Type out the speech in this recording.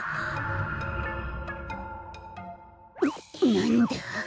ななんだ？